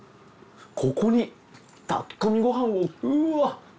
ここに炊き込みご飯をうわ。